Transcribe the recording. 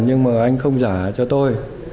nhưng mà anh không giả cho tôi